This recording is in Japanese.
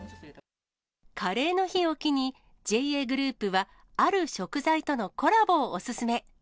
カレーの日を機に、ＪＡグループは、ある食材とのコラボをお勧め。